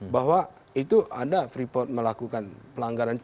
bahwa itu ada freeport melakukan pelanggaran